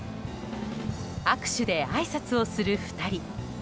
握手であいさつをする２人。